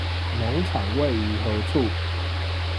農場位於何處？